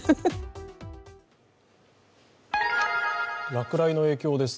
落雷の影響です。